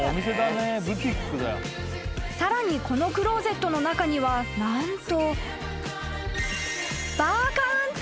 ［さらにこのクローゼットの中には何と］